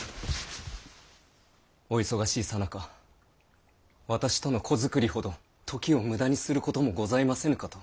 お忙しいさなか私との子作りほど時を無駄にすることもございませぬかと！